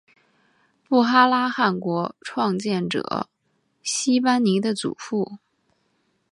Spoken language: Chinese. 布哈拉汗国创建者昔班尼的祖父。